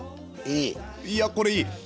いやこれいい。